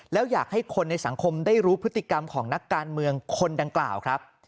แล้วอยากให้คนในสังคมได้รู้พฤติกรรมของนักการเมืองคนดังกล่าวครับ